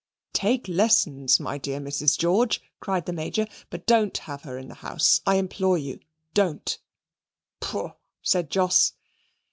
"Take lessons, my dear Mrs. George," cried the Major, "but don't have her in the house. I implore you don't." "Pooh," said Jos.